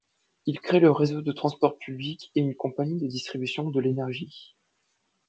Il crée le réseau de transports publics et une compagnie de distribution de l'énergie.